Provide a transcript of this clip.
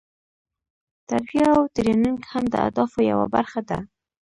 تربیه او ټریننګ هم د اهدافو یوه برخه ده.